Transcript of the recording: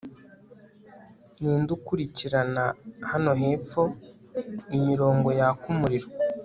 ninde ukurikirana, hano hepfo, imirongo yaka umuriro